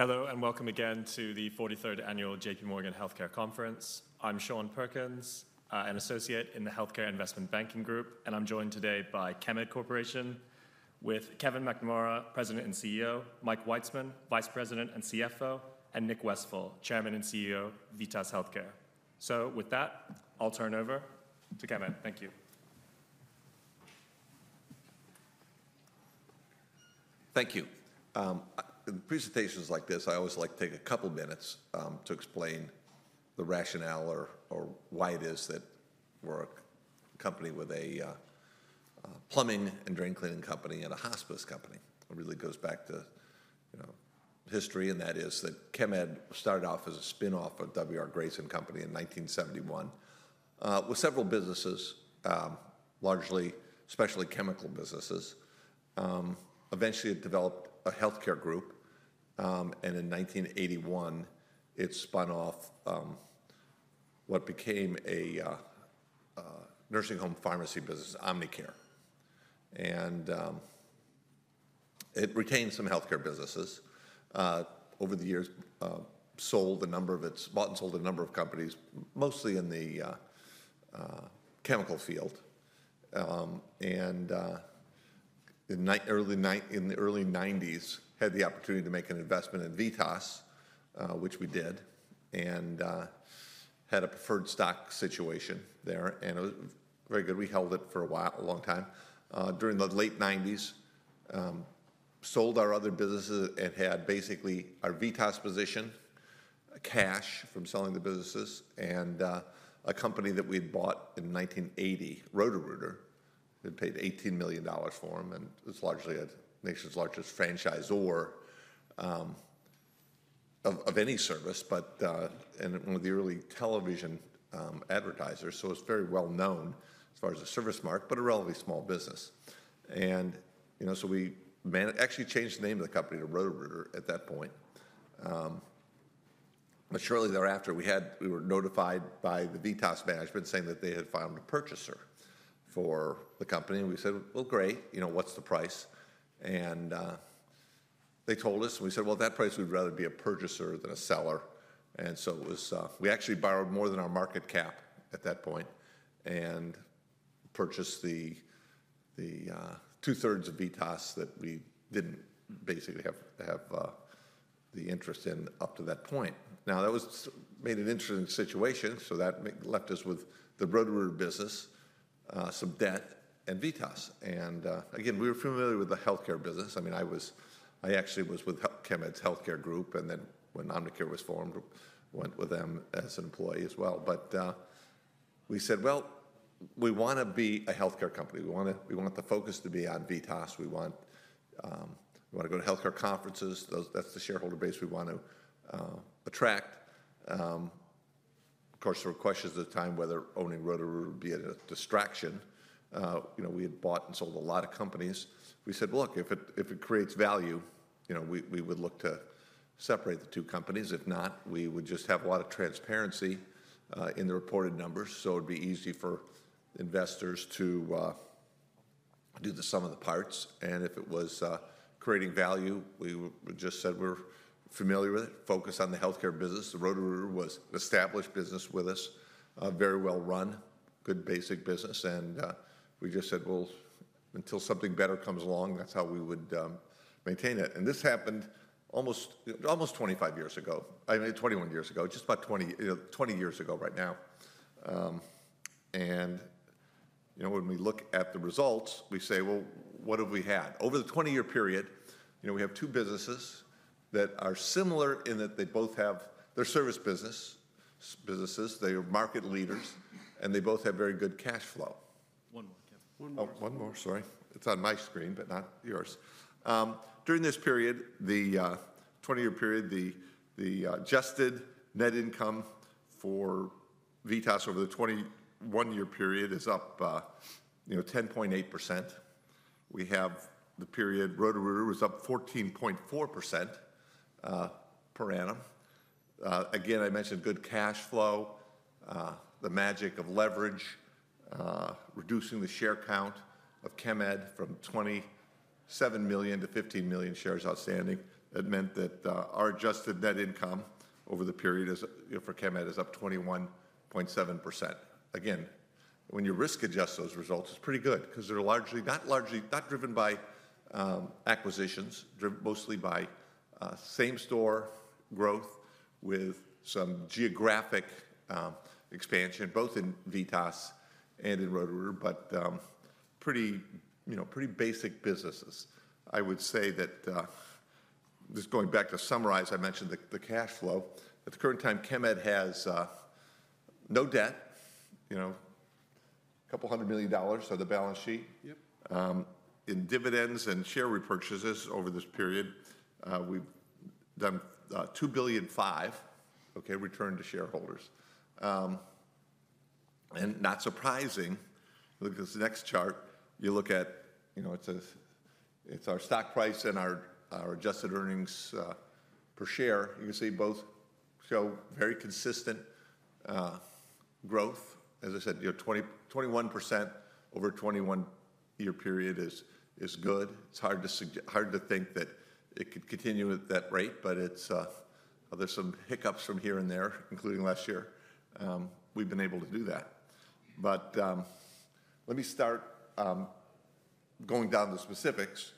Hello, and welcome again to the 43rd Annual J.P. Morgan Healthcare Conference. I'm Sean Perkins, an associate in the Healthcare Investment Banking Group, and I'm joined today by Chemed Corporation with Kevin McNamara, President and CEO, Mike Witzeman, Vice President and CFO, and Nick Westfall, Chairman and CEO of VITAS Healthcare, so with that, I'll turn it over to Kevin. Thank you. Thank you. In presentations like this, I always like to take a couple of minutes to explain the rationale or why it is that we're a company with a plumbing and drain cleaning company and a hospice company. It really goes back to history, and that is that Chemed started off as a spinoff of W.R. Grace & Co. in 1971 with several businesses, largely specialty chemical businesses. Eventually, it developed a healthcare group, and in 1981, it spun off what became a nursing home pharmacy business, Omnicare, and it retained some healthcare businesses. Over the years, it bought and sold a number of companies, mostly in the chemical field. And in the early 1990s, it had the opportunity to make an investment in VITAS, which we did, and had a preferred stock situation there. And it was very good. We held it for a long time. During the late 1990s, it sold our other businesses and had basically our VITAS position, cash from selling the businesses, and a company that we had bought in 1980, Roto-Rooter, had paid $18 million for them, and it's largely nation's largest franchisor of any service, and one of the early television advertisers, so it was very well known as far as a service mark, but a relatively small business, and so we actually changed the name of the company to Roto-Rooter at that point, but shortly thereafter, we were notified by the VITAS management saying that they had found a purchaser for the company, and we said, "Well, great. What's the price?," and they told us, and we said, "Well, at that price, we'd rather be a purchaser than a seller," and so we actually borrowed more than our market cap at that point and purchased the two-thirds of VITAS that we didn't basically have the interest in up to that point. Now, that made an interesting situation, so that left us with the Roto-Rooter business, some debt, and VITAS, and again, we were familiar with the healthcare business. I mean, I actually was with Chemed's Healthcare Group, and then when Omnicare was formed, went with them as an employee as well, but we said, "Well, we want to be a healthcare company. We want the focus to be on VITAS. We want to go to healthcare conferences. That's the shareholder base we want to attract." Of course, there were questions at the time whether owning Roto-Rooter would be a distraction. We had bought and sold a lot of companies. We said, "Look, if it creates value, we would look to separate the two companies. If not, we would just have a lot of transparency in the reported numbers, so it would be easy for investors to do the sum of the parts." And if it was creating value, we just said we're familiar with it, focused on the healthcare business. Roto-Rooter was an established business with us, very well run, good basic business. And we just said, "Well, until something better comes along, that's how we would maintain it." And this happened almost 25 years ago. I mean, 21 years ago, just about 20 years ago right now. When we look at the results, we say, "Well, what have we had?" Over the 20-year period, we have two businesses that are similar in that they both have their service businesses. They are market leaders, and they both have very good cash flow. One more, Kevin. One more. Sorry. It's on my screen, but not yours. During this period, the 20-year period, the adjusted net income for VITAS over the 21-year period is up 10.8%. We have the period Roto-Rooter was up 14.4% per annum. Again, I mentioned good cash flow, the magic of leverage, reducing the share count of Chemed from 27 million to 15 million shares outstanding. That meant that our adjusted net income over the period for Chemed is up 21.7%. Again, when you risk-adjust those results, it's pretty good because they're largely not driven by acquisitions, mostly by same-store growth with some geographic expansion, both in VITAS and in Roto-Rooter, but pretty basic businesses. I would say that just going back to summarize, I mentioned the cash flow. At the current time, Chemed has no debt, $200 million on the balance sheet. In dividends and share repurchases over this period, we've done $2.5 billion returned to shareholders. And not surprising, look at this next chart. You look at, it's our stock price and our adjusted earnings per share. You can see both show very consistent growth. As I said, 21% over a 21-year period is good. It's hard to think that it could continue at that rate, but there's some hiccups from here and there, including last year. We've been able to do that. But let me start going down to specifics,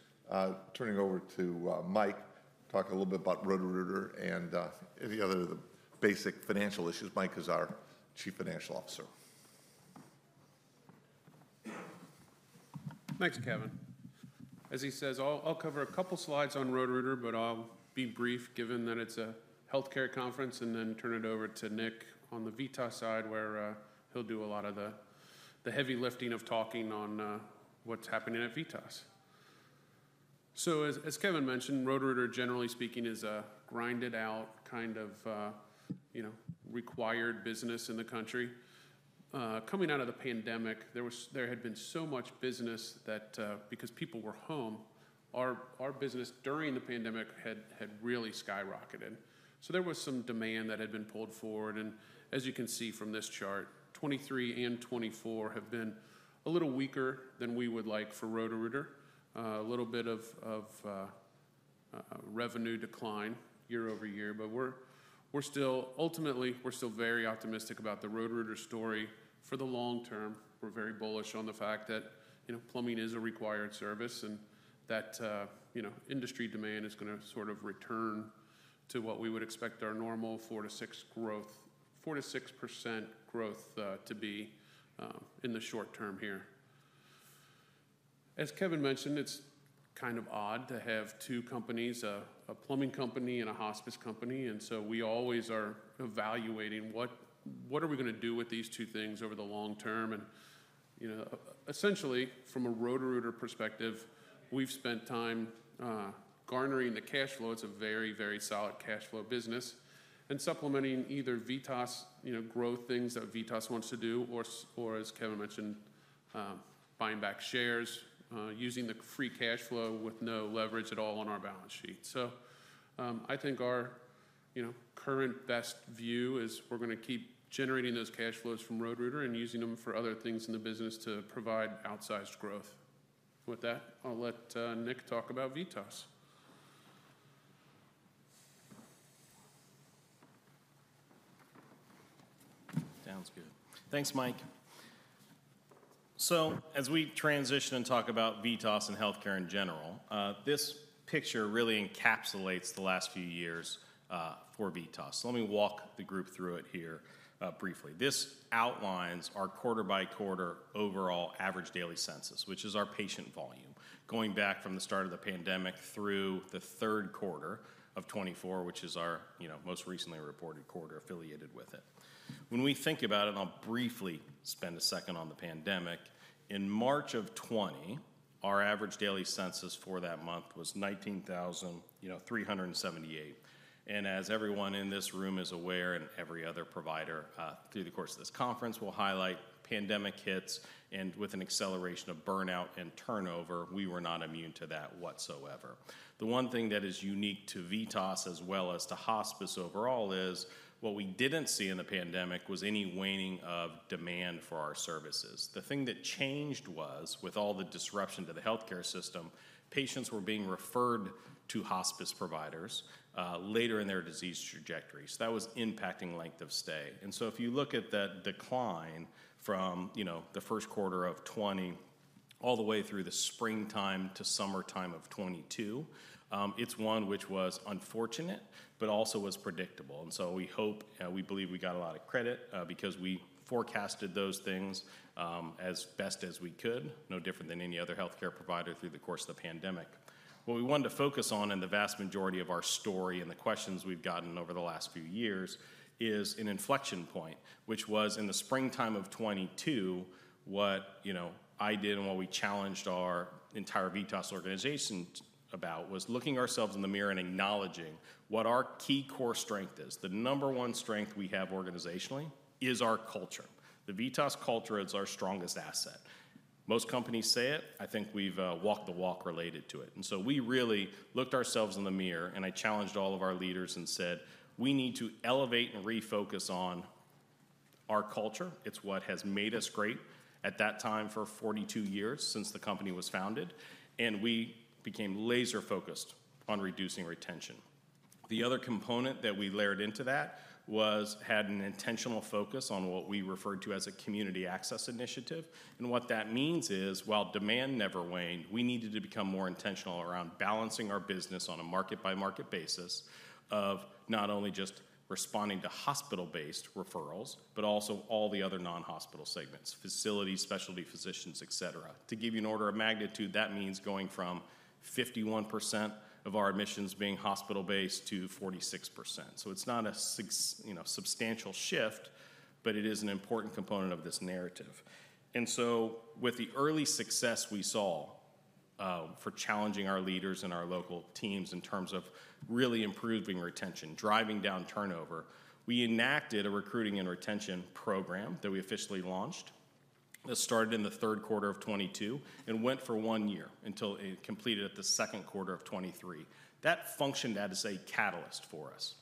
turning over to Mike to talk a little bit about Roto-Rooter and any other basic financial issues. Mike is our Chief Financial Officer. Thanks, Kevin. As he says, I'll cover a couple slides on Roto-Rooter, but I'll be brief given that it's a healthcare conference, and then turn it over to Nick on the Vitas side where he'll do a lot of the heavy lifting of talking on what's happening at Vitas. As Kevin mentioned, Roto-Rooter, generally speaking, is a grind-it-out kind of required business in the country. Coming out of the pandemic, there had been so much business that because people were home, our business during the pandemic had really skyrocketed. There was some demand that had been pulled forward. As you can see from this chart, 2023 and 2024 have been a little weaker than we would like for Roto-Rooter. A little bit of revenue decline year-over-year, but ultimately, we're still very optimistic about the Roto-Rooter story for the long term. We're very bullish on the fact that plumbing is a required service and that industry demand is going to sort of return to what we would expect our normal 4%-6% growth to be in the short term here. As Kevin mentioned, it's kind of odd to have two companies, a plumbing company and a hospice company, and so we always are evaluating what are we going to do with these two things over the long term, and essentially, from a Roto-Rooter perspective, we've spent time garnering the cash flow. It's a very, very solid cash flow business and supplementing either Vitas growth, things that Vitas wants to do, or, as Kevin mentioned, buying back shares, using the free cash flow with no leverage at all on our balance sheet. So, I think our current best view is we're going to keep generating those cash flows from Roto-Rooter and using them for other things in the business to provide outsized growth. With that, I'll let Nick talk about VITAS. Sounds good. Thanks, Mike. So, as we transition and talk about VITAS and healthcare in general, this picture really encapsulates the last few years for VITAS. So, let me walk the group through it here briefly. This outlines our quarter-by-quarter overall average daily census, which is our patient volume going back from the start of the pandemic through the third quarter of 2024, which is our most recently reported quarter affiliated with it. When we think about it, and I'll briefly spend a second on the pandemic, in March of 2020, our average daily census for that month was 19,378. And as everyone in this room is aware and every other provider through the course of this conference will highlight, pandemic hits and with an acceleration of burnout and turnover, we were not immune to that whatsoever. The one thing that is unique to VITAS as well as to hospice overall is what we didn't see in the pandemic was any waning of demand for our services. The thing that changed was, with all the disruption to the healthcare system, patients were being referred to hospice providers later in their disease trajectory. So, that was impacting length of stay. And so, if you look at that decline from the first quarter of 2020 all the way through the springtime to summertime of 2022, it's one which was unfortunate, but also was predictable. And so we hope and we believe we got a lot of credit because we forecasted those things as best as we could, no different than any other healthcare provider through the course of the pandemic. What we wanted to focus on in the vast majority of our story and the questions we've gotten over the last few years is an inflection point, which was in the springtime of 2022. What I did and what we challenged our entire VITAS organization about was looking ourselves in the mirror and acknowledging what our key core strength is. The number one strength we have organizationally is our culture. The VITAS culture is our strongest asset. Most companies say it. I think we've walked the walk related to it. And so we really looked ourselves in the mirror, and I challenged all of our leaders and said, "We need to elevate and refocus on our culture. It's what has made us great at that time for 42 years since the company was founded." And we became laser-focused on reducing retention. The other component that we layered into that had an intentional focus on what we referred to as a community access initiative. What that means is, while demand never waned, we needed to become more intentional around balancing our business on a market-by-market basis of not only just responding to hospital-based referrals, but also all the other non-hospital segments, facilities, specialty physicians, etc. To give you an order of magnitude, that means going from 51% of our admissions being hospital-based to 46%. It's not a substantial shift, but it is an important component of this narrative. And so, with the early success we saw for challenging our leaders and our local teams in terms of really improving retention, driving down turnover, we enacted a recruiting and retention program that we officially launched that started in the third quarter of 2022 and went for one year until it completed at the second quarter of 2023. That functioned as a catalyst for us,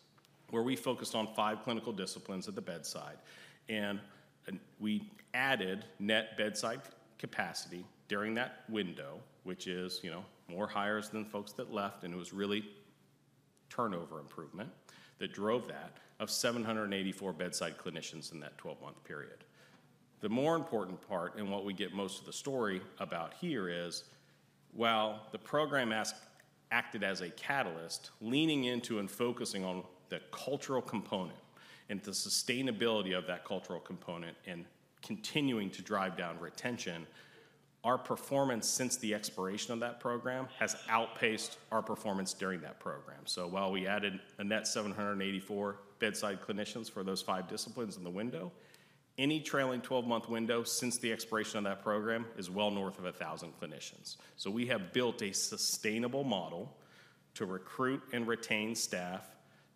where we focused on five clinical disciplines at the bedside. And we added net bedside capacity during that window, which is more hires than folks that left, and it was really turnover improvement that drove that of 784 bedside clinicians in that 12-month period. The more important part, and what we get most of the story about here is, while the program acted as a catalyst, leaning into and focusing on the cultural component and the sustainability of that cultural component and continuing to drive down retention, our performance since the expiration of that program has outpaced our performance during that program. So, while we added a net 784 bedside clinicians for those five disciplines in the window, any trailing 12-month window since the expiration of that program is well north of 1,000 clinicians. So, we have built a sustainable model to recruit and retain staff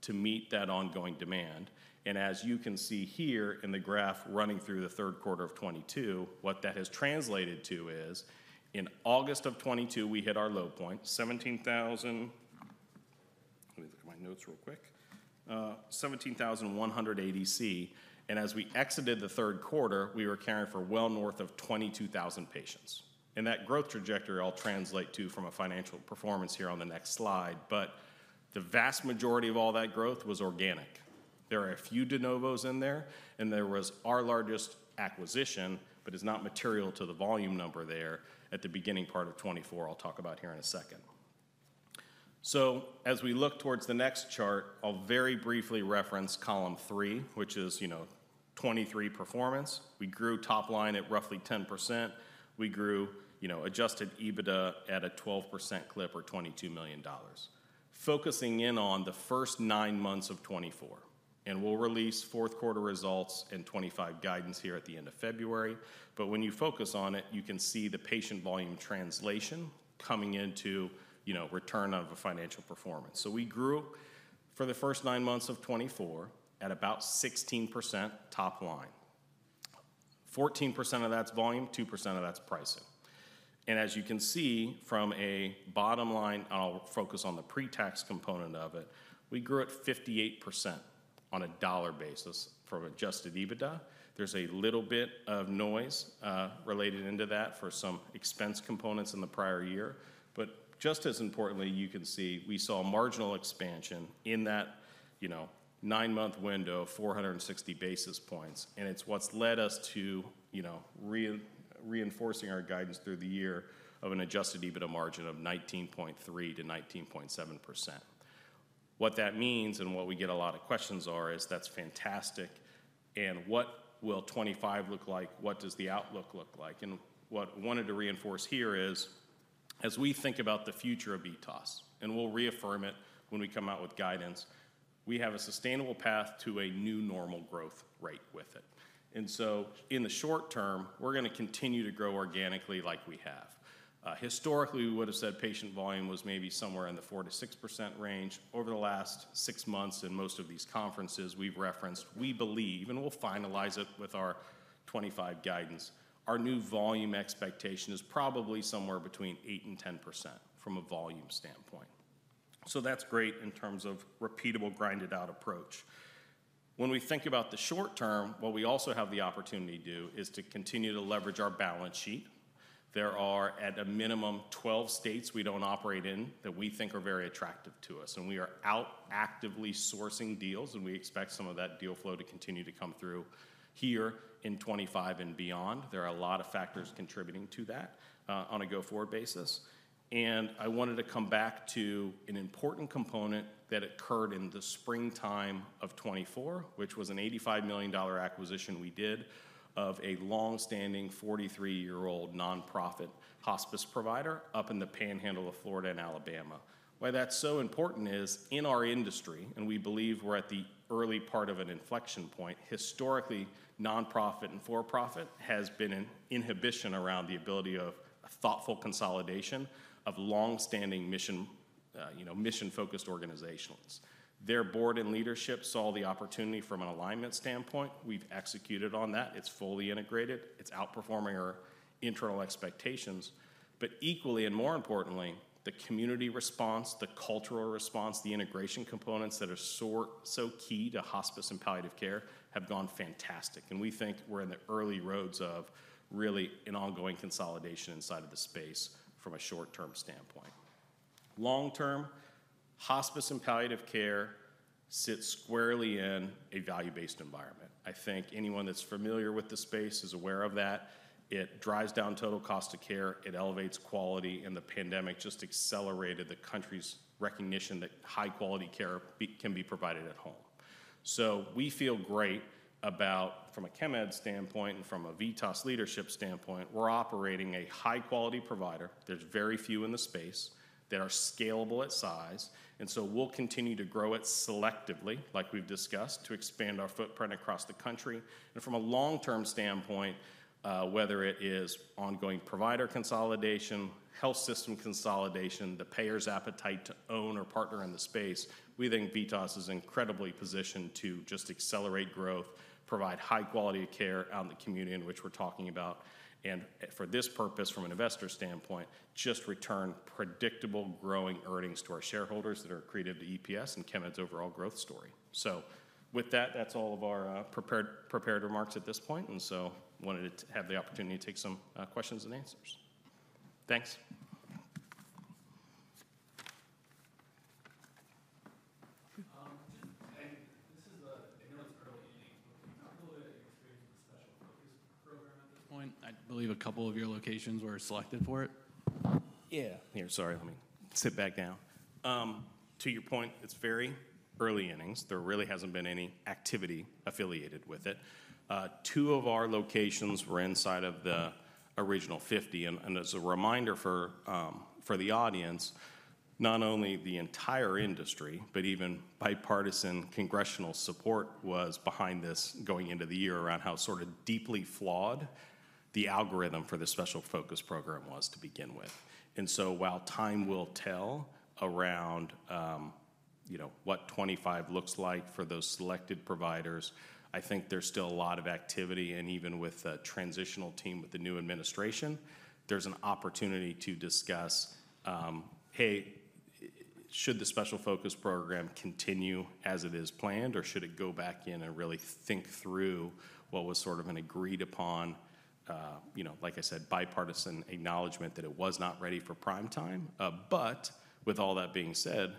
to meet that ongoing demand. And as you can see here in the graph running through the third quarter of 2022, what that has translated to is, in August of 2022, we hit our low point, 17,000. Let me look at my notes real quick. 17,180 C. And as we exited the third quarter, we were caring for well north of 22,000 patients. And that growth trajectory I'll translate to from a financial performance here on the next slide, but the vast majority of all that growth was organic. There are a few de novos in there, and there was our largest acquisition, but it's not material to the volume number there at the beginning part of 2024, I'll talk about here in a second. So, as we look towards the next chart, I'll very briefly reference column three, which is 2023 performance. We grew top line at roughly 10%. We grew Adjusted EBITDA at a 12% clip or $22 million. Focusing in on the first nine months of 2024, and we'll release fourth quarter results and 2025 guidance here at the end of February. But when you focus on it, you can see the patient volume translation coming into return to financial performance. So, we grew for the first nine months of 2024 at about 16% top line. 14% of that's volume, 2% of that's pricing. And as you can see from a bottom line, and I'll focus on the pre-tax component of it, we grew at 58% on a dollar basis for Adjusted EBITDA. There's a little bit of noise related to that for some expense components in the prior year. But just as importantly, you can see we saw margin expansion in that nine-month window, 460 basis points. And it's what's led us to reinforcing our guidance through the year of an Adjusted EBITDA margin of 19.3%-19.7%. What that means and what we get a lot of questions are is, "That's fantastic. And what will 2025 look like? What does the outlook look like?" What I wanted to reinforce here is, as we think about the future of VITAS, and we'll reaffirm it when we come out with guidance, we have a sustainable path to a new normal growth rate with it. In the short term, we're going to continue to grow organically like we have. Historically, we would have said patient volume was maybe somewhere in the 4%-6% range. Over the last six months and most of these conferences we've referenced, we believe, and we'll finalize it with our 2025 guidance, our new volume expectation is probably somewhere between 8% and 10% from a volume standpoint. That's great in terms of repeatable grinded-out approach. When we think about the short term, what we also have the opportunity to do is to continue to leverage our balance sheet. There are, at a minimum, 12 states we don't operate in that we think are very attractive to us, and we are out actively sourcing deals, and we expect some of that deal flow to continue to come through here in 2025 and beyond. There are a lot of factors contributing to that on a go-forward basis, and I wanted to come back to an important component that occurred in the springtime of 2024, which was an $85 million acquisition we did of a long-standing 43-year-old nonprofit hospice provider up in the panhandle of Florida and Alabama. Why that's so important is, in our industry, and we believe we're at the early part of an inflection point, historically, nonprofit and for-profit has been an inhibition around the ability of a thoughtful consolidation of long-standing mission-focused organizations. Their board and leadership saw the opportunity from an alignment standpoint. We've executed on that. It's fully integrated. It's outperforming our internal expectations. But equally and more importantly, the community response, the cultural response, the integration components that are so key to hospice and palliative care have gone fantastic. And we think we're in the early roads of really an ongoing consolidation inside of the space from a short-term standpoint. Long-term, hospice and palliative care sits squarely in a value-based environment. I think anyone that's familiar with the space is aware of that. It drives down total cost of care. It elevates quality. And the pandemic just accelerated the country's recognition that high-quality care can be provided at home. So, we feel great about, from a Chemed standpoint and from a VITAS leadership standpoint, we're operating a high-quality provider. There's very few in the space that are scalable at size. And so we'll continue to grow it selectively, like we've discussed, to expand our footprint across the country. From a long-term standpoint, whether it is ongoing provider consolidation, health system consolidation, the payer's appetite to own or partner in the space, we think VITAS is incredibly positioned to just accelerate growth, provide high-quality care out in the community in which we're talking about, and for this purpose, from an investor standpoint, just return predictable growing earnings to our shareholders that are accretive to EPS and Chemed's overall growth story. With that, that's all of our prepared remarks at this point. I wanted to have the opportunity to take some questions and answers. Thanks. I know it's early in April, but can you talk a little bit about your experience with the Special Focus Program at this point? I believe a couple of your locations were selected for it. Yeah. Here, sorry. Let me sit back down. To your point, it's very early innings. There really hasn't been any activity affiliated with it. Two of our locations were inside of the original 50, and as a reminder for the audience, not only the entire industry, but even bipartisan congressional support was behind this going into the year around how sort of deeply flawed the algorithm for the special focus program was to begin with, and so, while time will tell around what 2025 looks like for those selected providers, I think there's still a lot of activity. And even with the transitional team with the new administration, there's an opportunity to discuss, "Hey, should the Special Focus Program continue as it is planned, or should it go back in and really think through what was sort of an agreed-upon, like I said, bipartisan acknowledgment that it was not ready for prime time?" But with all that being said,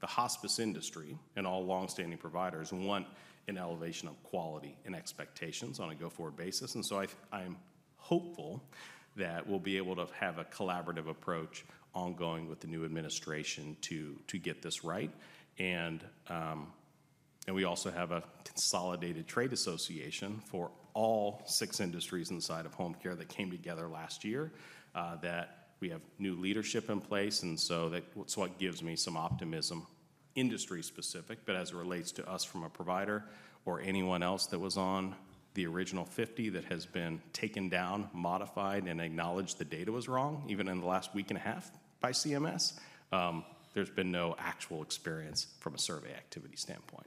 the hospice industry and all long-standing providers want an elevation of quality and expectations on a go-forward basis. And so, I'm hopeful that we'll be able to have a collaborative approach ongoing with the new administration to get this right. And we also have a consolidated trade association for all six industries inside of home care that came together last year that we have new leadership in place. And so that's what gives me some optimism, industry-specific, but as it relates to us from a provider or anyone else that was on the original 50 that has been taken down, modified, and acknowledged the data was wrong, even in the last week and a half by CMS. There's been no actual experience from a survey activity standpoint.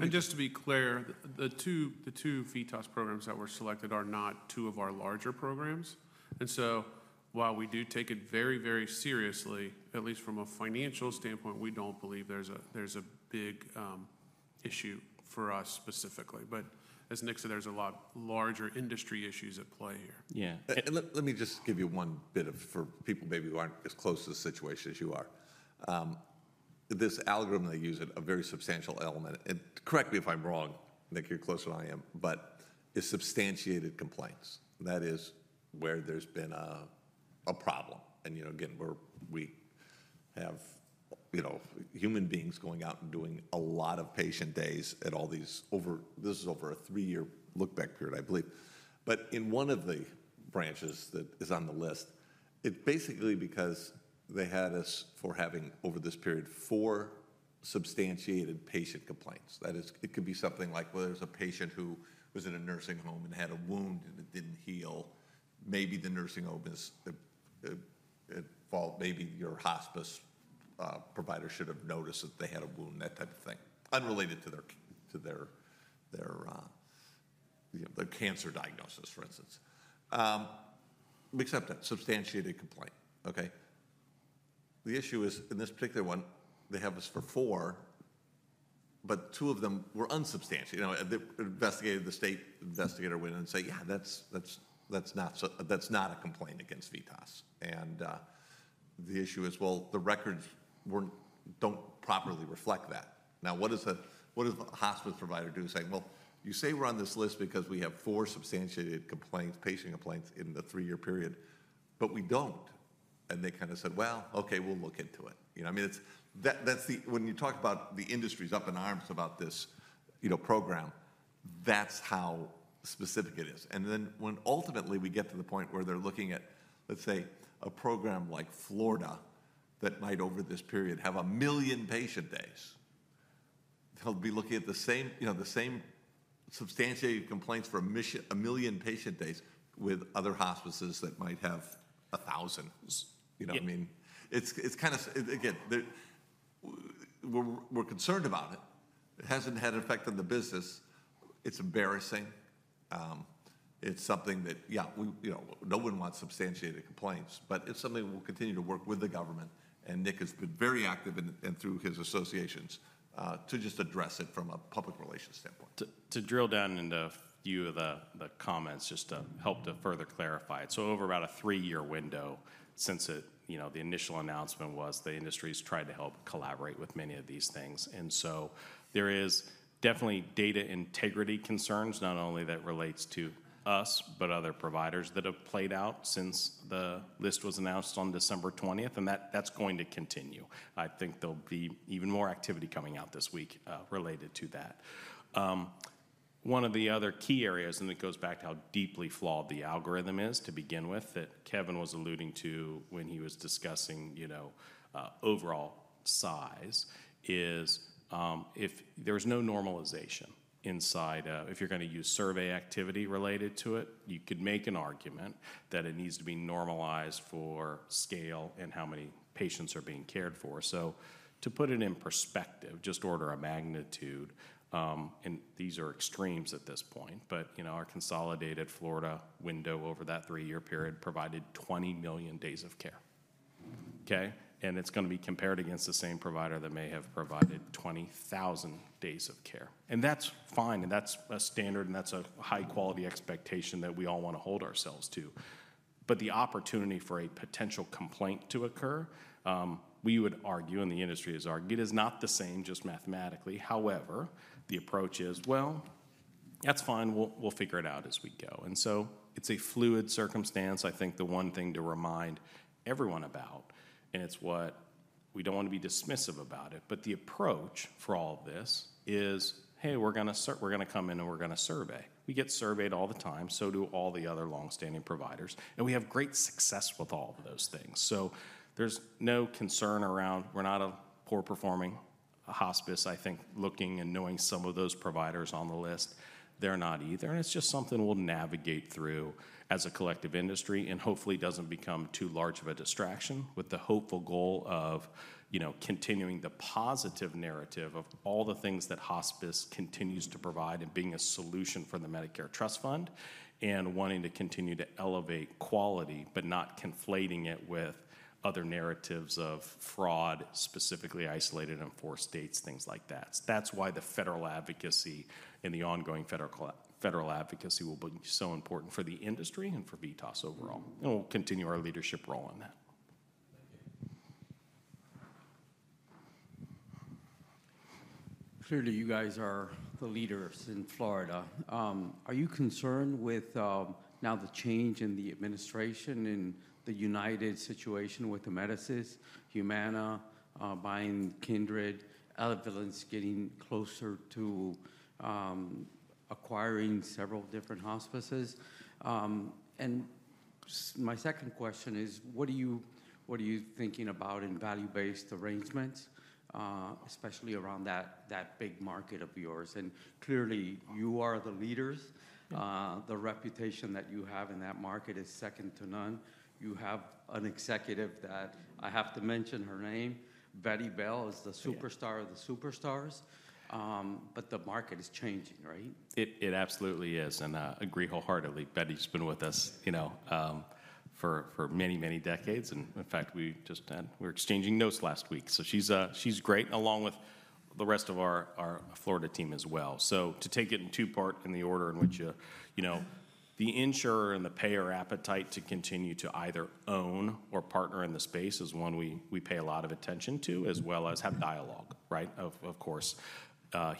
And just to be clear, the two VITAS programs that were selected are not two of our larger programs. And so, while we do take it very, very seriously, at least from a financial standpoint, we don't believe there's a big issue for us specifically. But as Nick said, there's a lot larger industry issues at play here. Yeah. Let me just give you one bit for people maybe who aren't as close to the situation as you are. This algorithm they use is a very substantial element. And correct me if I'm wrong, Nick, you're closer than I am, but it's substantiated complaints. That is where there's been a problem. And again, we have human beings going out and doing a lot of patient days at all these over, this is over a three-year lookback period, I believe. But in one of the branches that is on the list, it's basically because they had us for having over this period four substantiated patient complaints. That is, it could be something like, well, there's a patient who was in a nursing home and had a wound and it didn't heal. Maybe the nursing home is at fault. Maybe your hospice provider should have noticed that they had a wound, that type of thing, unrelated to their cancer diagnosis, for instance. We accept that substantiated complaint, okay? The issue is, in this particular one, they have us for four, but two of them were unsubstantiated. The investigator, the state investigator went in and said, "Yeah, that's not a complaint against VITAS." And the issue is, well, the records don't properly reflect that. Now, what does the hospice provider do saying, "Well, you say we're on this list because we have four substantiated patient complaints in the three-year period, but we don't?" And they kind of said, "Well, okay, we'll look into it." I mean, when you talk about the industry's up in arms about this program, that's how specific it is. And then when ultimately we get to the point where they're looking at, let's say, a program like Florida that might, over this period, have a million patient days, they'll be looking at the same substantiated complaints for a million patient days with other hospices that might have a thousand. I mean, it's kind of, again, we're concerned about it. It hasn't had an effect on the business. It's embarrassing. It's something that, yeah, no one wants substantiated complaints, but it's something we'll continue to work with the government. And Nick has been very active and through his associations to just address it from a public relations standpoint. To drill down into a few of the comments just to help to further clarify it. So, over about a three-year window since the initial announcement was, the industry's tried to help collaborate with many of these things. And so, there is definitely data integrity concerns, not only that relates to us, but other providers that have played out since the list was announced on December 20th. And that's going to continue. I think there'll be even more activity coming out this week related to that. One of the other key areas, and it goes back to how deeply flawed the algorithm is to begin with, that Kevin was alluding to when he was discussing overall size, is if there's no normalization inside, if you're going to use survey activity related to it, you could make an argument that it needs to be normalized for scale and how many patients are being cared for. So, to put it in perspective, just order of magnitude, and these are extremes at this point, but our consolidated Florida window over that three-year period provided 20 million days of care, okay? And it's going to be compared against the same provider that may have provided 20,000 days of care. And that's fine. And that's a standard. And that's a high-quality expectation that we all want to hold ourselves to. But the opportunity for a potential complaint to occur, we would argue, and the industry has argued, is not the same just mathematically. However, the approach is, "Well, that's fine. We'll figure it out as we go." And so, it's a fluid circumstance. I think the one thing to remind everyone about, and it's what we don't want to be dismissive about it, but the approach for all of this is, "Hey, we're going to come in and we're going to survey." We get surveyed all the time. So do all the other long-standing providers. And we have great success with all of those things. So, there's no concern around we're not a poor-performing hospice. I think looking and knowing some of those providers on the list, they're not either. And it's just something we'll navigate through as a collective industry and hopefully doesn't become too large of a distraction with the hopeful goal of continuing the positive narrative of all the things that hospice continues to provide and being a solution for the Medicare Trust Fund and wanting to continue to elevate quality, but not conflating it with other narratives of fraud, specifically isolated in four states, things like that. That's why the federal advocacy and the ongoing federal advocacy will be so important for the industry and for VITAS overall. And we'll continue our leadership role on that. Clearly, you guys are the leaders in Florida. Are you concerned with now the change in the administration and the united situation with Amedisys, Humana, Bain, Kindred, Elevance getting closer to acquiring several different hospices? And my second question is, what are you thinking about in value-based arrangements, especially around that big market of yours? And clearly, you are the leaders. The reputation that you have in that market is second to none. You have an executive that I have to mention, her name. Betty Bel is the superstar of the superstars. But the market is changing, right? It absolutely is, and I agree wholeheartedly. Betty's been with us for many, many decades, and in fact, we just had, we were exchanging notes last week, so she's great along with the rest of our Florida team as well, so to take it in two parts in the order in which the insurers and payers appetite to continue to either own or partner in the space is one we pay a lot of attention to, as well as have dialogue, right? Of course,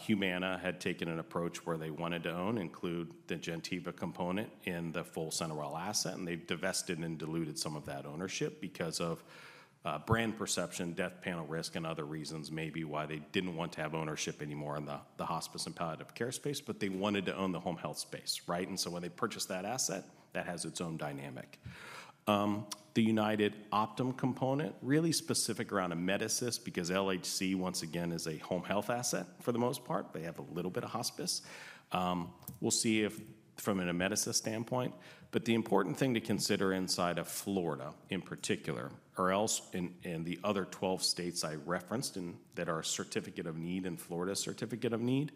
Humana had taken an approach where they wanted to own and include the Gentiva component in the full CenterWell asset, and they divested and diluted some of that ownership because of brand perception, death panel risk, and other reasons maybe why they didn't want to have ownership anymore in the hospice and palliative care space, but they wanted to own the home health space, right? And so, when they purchased that asset, that has its own dynamic. The Optum component, really specific around Amedisys because LHC, once again, is a home health asset for the most part. They have a little bit of hospice. We'll see it from an Amedisys standpoint. But the important thing to consider inside of Florida in particular, or else in the other 12 states I referenced and that are a Certificate of Need and Florida Certificate of Need,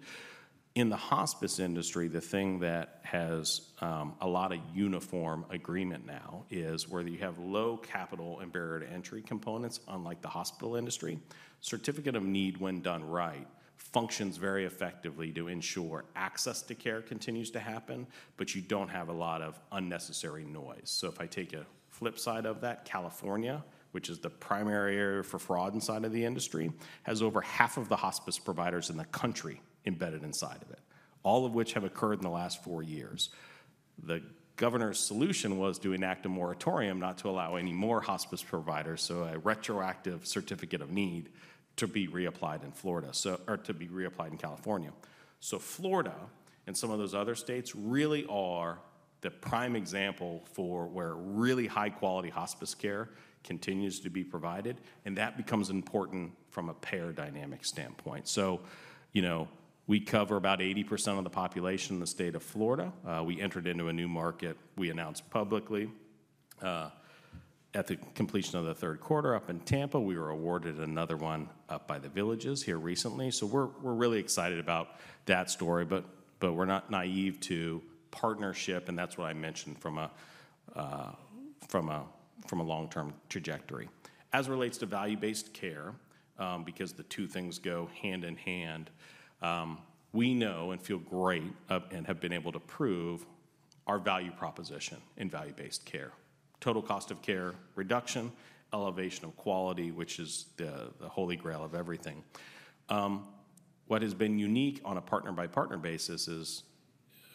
in the hospice industry, the thing that has a lot of uniform agreement now is whether you have low capital and barrier to entry components, unlike the hospital industry, Certificate of Need when done right functions very effectively to ensure access to care continues to happen, but you don't have a lot of unnecessary noise. So, if I take a flip side of that, California, which is the primary area for fraud inside of the industry, has over half of the hospice providers in the country embedded inside of it, all of which have occurred in the last four years. The governor's solution was to enact a moratorium not to allow any more hospice providers, so a retroactive Certificate of Need to be reapplied in Florida or to be reapplied in California. So, Florida and some of those other states really are the prime example for where really high-quality hospice care continues to be provided. And that becomes important from a payer dynamic standpoint. So, we cover about 80% of the population in the state of Florida. We entered into a new market we announced publicly at the completion of the third quarter up in Tampa. We were awarded another one up by The Villages here recently, so we're really excited about that story, but we're not naive to partnership, and that's what I mentioned from a long-term trajectory. As it relates to value-based care, because the two things go hand in hand, we know and feel great and have been able to prove our value proposition in value-based care. Total cost of care reduction, elevation of quality, which is the holy grail of everything. What has been unique on a partner-by-partner basis is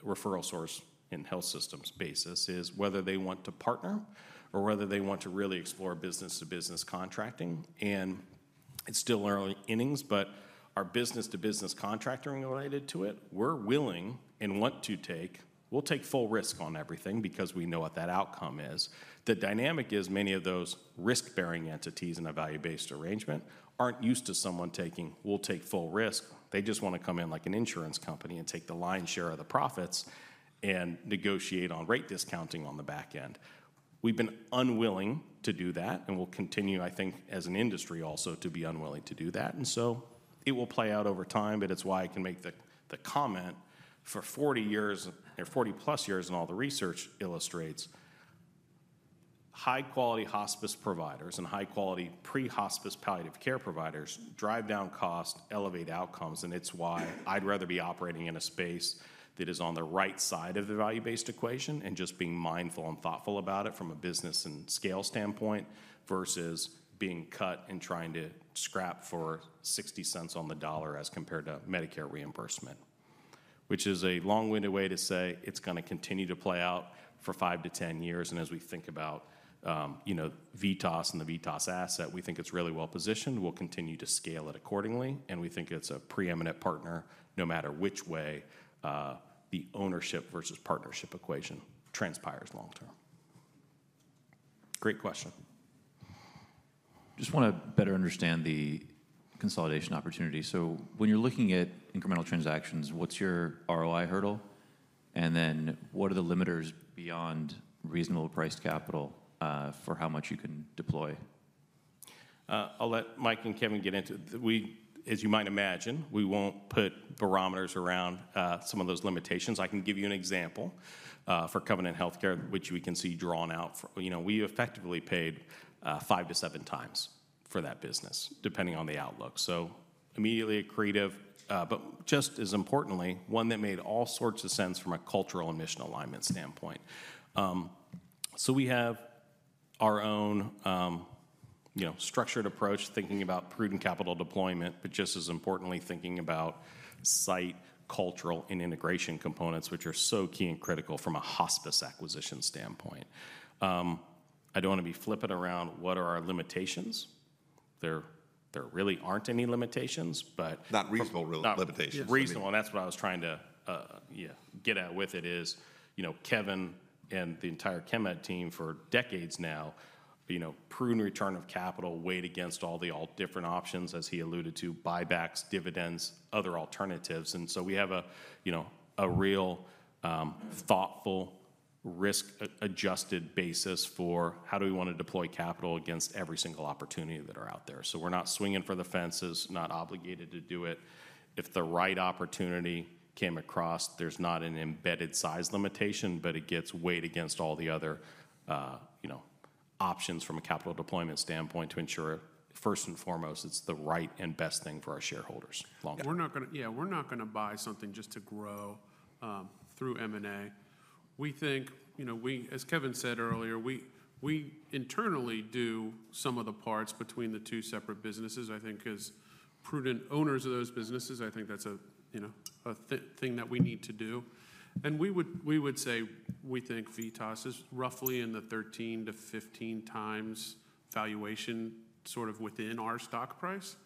referral source in health systems basis is whether they want to partner or whether they want to really explore business-to-business contracting, and it's still early innings, but our business-to-business contracting related to it, we're willing and want to take, we'll take full risk on everything because we know what that outcome is. The dynamic is many of those risk-bearing entities in a value-based arrangement aren't used to someone taking, we'll take full risk. They just want to come in like an insurance company and take the lion's share of the profits and negotiate on rate discounting on the back end. We've been unwilling to do that and will continue, I think, as an industry also to be unwilling to do that. And so, it will play out over time, but it's why I can make the comment for 40 years or 40 plus years and all the research illustrates high-quality hospice providers and high-quality pre-hospice palliative care providers drive down cost, elevate outcomes. And it's why I'd rather be operating in a space that is on the right side of the value-based equation and just being mindful and thoughtful about it from a business and scale standpoint versus being cut and trying to scrap for 60 cents on the dollar as compared to Medicare reimbursement, which is a long-winded way to say it's going to continue to play out for five to 10 years. And as we think about VITAS and the VITAS asset, we think it's really well positioned. We'll continue to scale it accordingly. And we think it's a preeminent partner no matter which way the ownership versus partnership equation transpires long-term. Great question. Just want to better understand the consolidation opportunity. So, when you're looking at incremental transactions, what's your ROI hurdle? And then what are the limiters beyond reasonable price capital for how much you can deploy? I'll let Mike and Kevin get into it. As you might imagine, we won't put parameters around some of those limitations. I can give you an example for Covenant Care, which we can see drawn out. We effectively paid five to seven times for that business depending on the outlook, so immediately accretive, but just as importantly, one that made all sorts of sense from a cultural and mission alignment standpoint. We have our own structured approach thinking about prudent capital deployment, but just as importantly, thinking about size, cultural, and integration components, which are so key and critical from a hospice acquisition standpoint. I don't want to be flipping around what are our limitations. There really aren't any limitations, but. Not reasonable limitations. Reasonable. And that's what I was trying to get at with it is Kevin and the entire Chemed team for decades now, prudent return of capital weighed against all the different options as he alluded to, buybacks, dividends, other alternatives. And so, we have a real thoughtful risk-adjusted basis for how do we want to deploy capital against every single opportunity that are out there. So, we're not swinging for the fences, not obligated to do it. If the right opportunity came across, there's not an embedded size limitation, but it gets weighed against all the other options from a capital deployment standpoint to ensure, first and foremost, it's the right and best thing for our shareholders long. We're not going to buy something just to grow through M&A. We think, as Kevin said earlier, we internally do some of the parts between the two separate businesses. I think as prudent owners of those businesses, I think that's a thing that we need to do. And we would say we think VITAS is roughly in the 13-15 times valuation sort of within our stock price.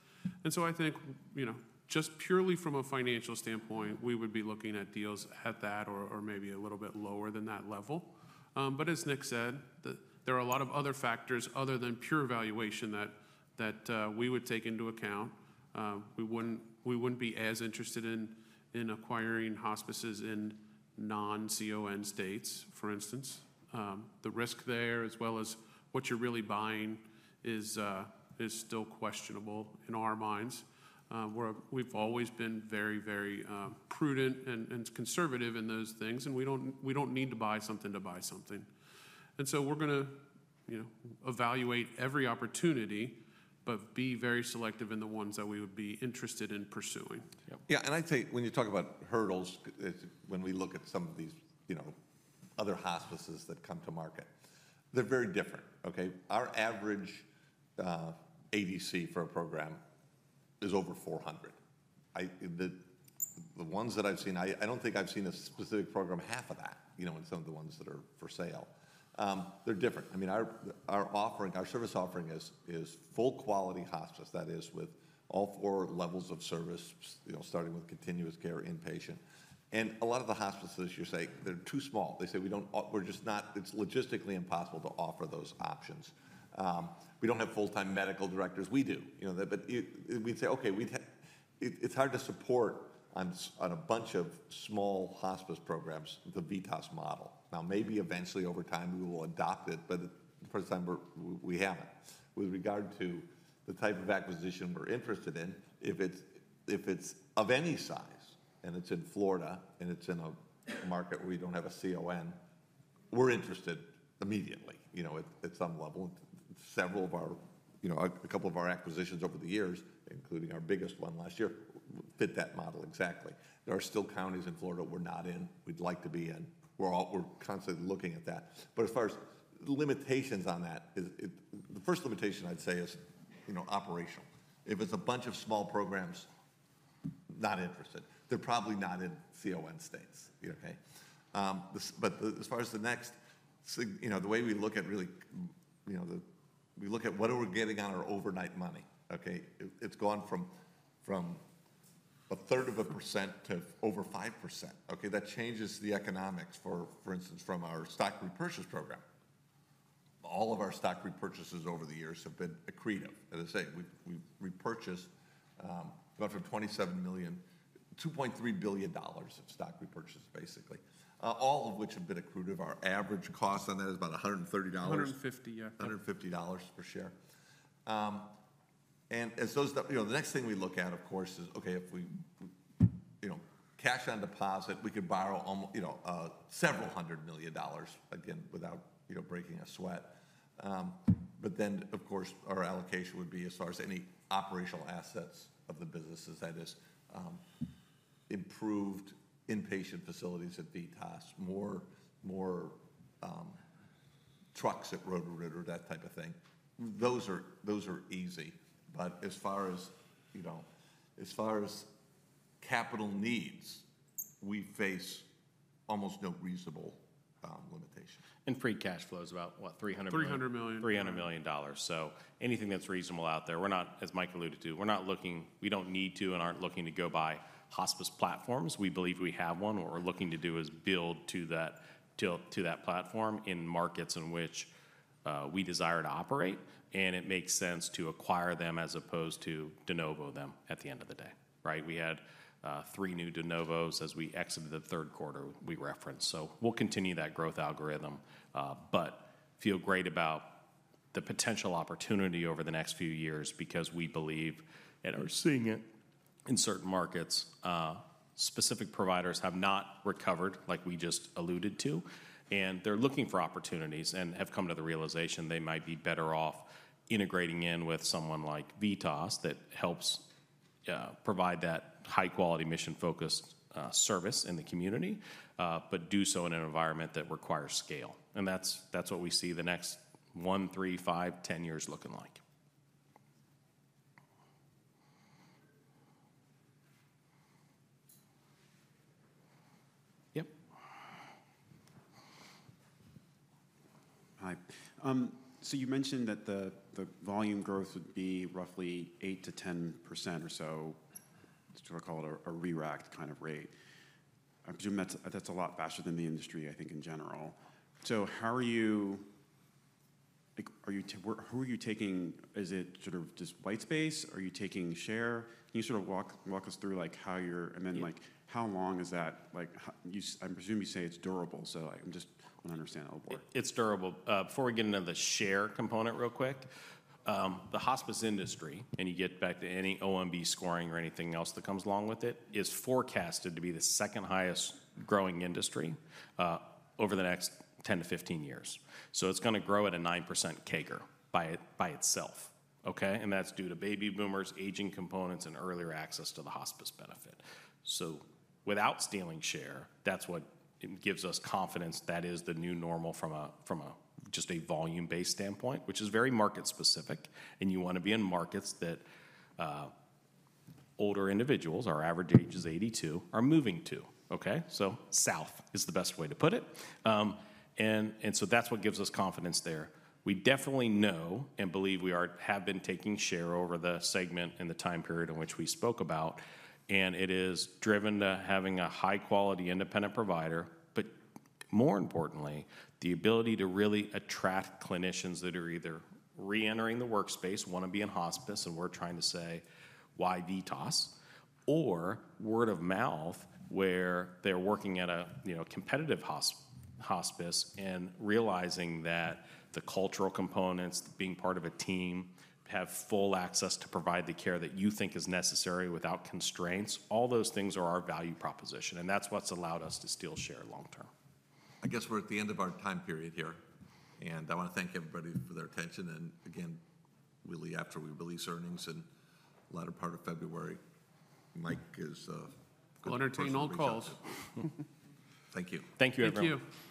And so, I think just purely from a financial standpoint, we would be looking at deals at that or maybe a little bit lower than that level. But as Nick said, there are a lot of other factors other than pure valuation that we would take into account. We wouldn't be as interested in acquiring hospices in non-CON states, for instance. The risk there, as well as what you're really buying, is still questionable in our minds. We've always been very, very prudent and conservative in those things, and we don't need to buy something to buy something, and so we're going to evaluate every opportunity, but be very selective in the ones that we would be interested in pursuing. Yeah. And I'd say when you talk about hurdles, when we look at some of these other hospices that come to market, they're very different, okay? Our average ADC for a program is over 400. The ones that I've seen, I don't think I've seen a specific program half of that in some of the ones that are for sale. They're different. I mean, our service offering is full-quality hospice. That is with all four levels of service, starting with continuous care, inpatient. And a lot of the hospices, you say they're too small. They say we're just not, it's logistically impossible to offer those options. We don't have full-time medical directors. We do. But we'd say, okay, it's hard to support on a bunch of small hospice programs, the VITAS model. Now, maybe eventually over time we will adopt it, but the first time we haven't. With regard to the type of acquisition we're interested in, if it's of any size and it's in Florida and it's in a market where we don't have a CON, we're interested immediately at some level. Several of our, a couple of our acquisitions over the years, including our biggest one last year, fit that model exactly. There are still counties in Florida we're not in, we'd like to be in. We're constantly looking at that. But as far as limitations on that, the first limitation I'd say is operational. If it's a bunch of small programs, not interested. They're probably not in CON states, okay? But as far as the next, the way we look at really, we look at what are we getting on our overnight money, okay? It's gone from a third of a % to over 5%, okay? That changes the economics for, for instance, from our stock repurchase program. All of our stock repurchases over the years have been accretive. As I say, we've repurchased over $2.7 billion of stock repurchases, basically, all of which have been accretive. Our average cost on that is about $130. $150, yeah. $150 per share. And as those, the next thing we look at, of course, is, okay, if we cash on deposit, we could borrow several hundred million dollars, again, without breaking a sweat. But then, of course, our allocation would be as far as any operational assets of the businesses, that is improved inpatient facilities at VITAS, more trucks at Roto-Rooter or that type of thing. Those are easy. But as far as capital needs, we face almost no reasonable limitations. Free cash flow is about what, $300 million? $300 million. $300 million. So anything that's reasonable out there. As Mike alluded to, we're not looking, we don't need to and aren't looking to go buy hospice platforms. We believe we have one. What we're looking to do is build to that platform in markets in which we desire to operate. And it makes sense to acquire them as opposed to de novo them at the end of the day, right? We had three new de novos as we exited the third quarter we referenced. So, we'll continue that growth algorithm, but feel great about the potential opportunity over the next few years because we believe and are seeing it in certain markets. Specific providers have not recovered like we just alluded to. And they're looking for opportunities and have come to the realization they might be better off integrating in with someone like VITAS that helps provide that high-quality mission-focused service in the community, but do so in an environment that requires scale. And that's what we see the next one, three, five, ten years looking like. Yep. Hi. So, you mentioned that the volume growth would be roughly 8%-10% or so, sort of call it a reaccelerating kind of rate. I presume that's a lot faster than the industry, I think in general. So, how are you, who are you taking, is it sort of just white space? Are you taking share? Can you sort of walk us through how you're, and then how long is that? I'm assuming you say it's durable, so I'm just trying to understand how it works. It's durable. Before we get into the share component real quick, the hospice industry, and you get back to any OMB scoring or anything else that comes along with it, is forecasted to be the second highest growing industry over the next 10 to 15 years. So, it's going to grow at a 9% CAGR by itself, okay? And that's due to baby boomers, aging components, and earlier access to the hospice benefit. So, without stealing share, that's what gives us confidence that is the new normal from just a volume-based standpoint, which is very market-specific. And you want to be in markets that older individuals, our average age is 82, are moving to, okay? So, south is the best way to put it. And so, that's what gives us confidence there. We definitely know and believe we have been taking share over the segment and the time period in which we spoke about, and it is driven to having a high-quality independent provider, but more importantly, the ability to really attract clinicians that are either re-entering the workspace, want to be in hospice, and we're trying to say, why VITAS? Or word of mouth where they're working at a competitive hospice and realizing that the cultural components, being part of a team, have full access to provide the care that you think is necessary without constraints. All those things are our value proposition, and that's what's allowed us to steal share long-term. I guess we're at the end of our time period here. And I want to thank everybody for their attention. And again, really after we release earnings in the latter part of February, Mike is going to be in. We'll entertain all calls. Thank you. Thank you, everyone. Thank you.